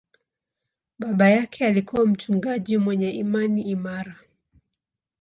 Baba yake alikuwa mchungaji mwenye imani imara.